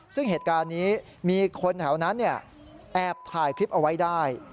ซึ่งเหตุการณ์นี้มีคนแถวนั้นแอบถ่ายคลิปเอาไว้ได้